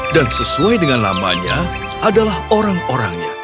dan sesuai dengan namanya adalah orang orangnya